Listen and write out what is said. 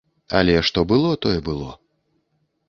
Але што было, тое было.